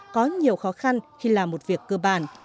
có nhiều khó khăn khi làm một việc cơ bản